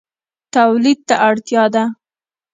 تولید ته اړتیا ده